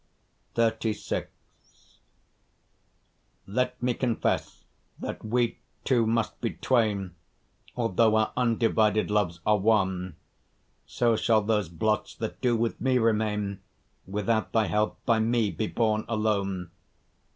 XXXVI Let me confess that we two must be twain, Although our undivided loves are one: So shall those blots that do with me remain, Without thy help, by me be borne alone.